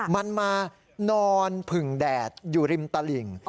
มันมานอนผึ่งแดดอยู่ริมตลิ่ง